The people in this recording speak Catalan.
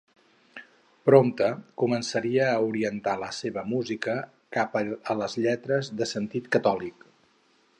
Prompte començaria a orientar la seua música cap a les lletres de sentit catòlic.